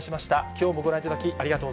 きょうもご覧いただき、ありがと